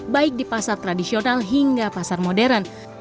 baik di pasar tradisional hingga pasar modern